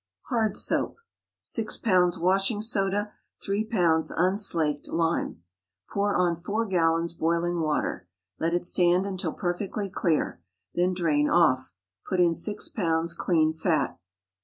HARD SOAP. 6 lbs. washing soda. 3 lbs. unslaked lime. Pour on 4 gallons boiling water. Let it stand until perfectly clear, then drain off. Put in 6 lbs. clean fat.